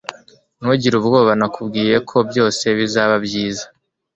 Ntugire ubwoba Nakubwiye ko byose bizaba byiza